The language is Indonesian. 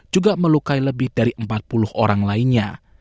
juga melukai lebih dari empat puluh orang lainnya